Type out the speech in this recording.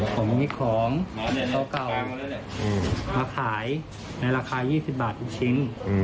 ผมมีของเก่ามาขายในราคา๒๐บาททุกชิ้น